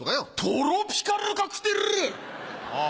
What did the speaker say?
トロピカルカクテル⁉ああ。